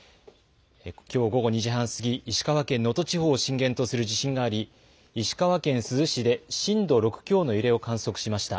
きょう午後２時半過ぎ、石川県能登地方を震源とする地震があり、石川県珠洲市で震度６強の揺れを観測しました。